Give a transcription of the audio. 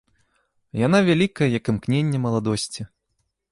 Яна вялікая, як імкненне маладосці.